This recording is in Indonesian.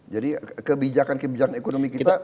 jadi kebijakan kebijakan ekonomi kita